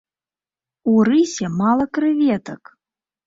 У рысе мала крэветак!